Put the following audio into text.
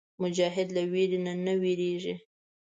مجاهد له ویرې نه وېرېږي.